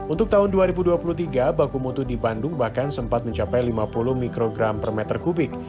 untuk tahun dua ribu dua puluh tiga baku mutu di bandung bahkan sempat mencapai lima puluh mikrogram per meter kubik